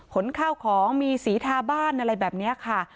ขนข้าวของมีสีทาบ้านอะไรแบบนี้ค่ะ